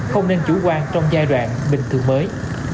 không nên chủ quan trong giai đoạn bình thường mới